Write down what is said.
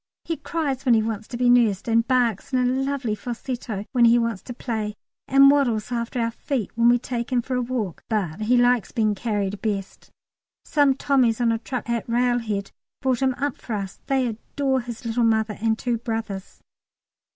He cries when he wants to be nursed, and barks in a lovely falsetto when he wants to play, and waddles after our feet when we take him for a walk, but he likes being carried best. Some Tommies on a truck at Railhead brought him up for us; they adore his little mother and two brothers.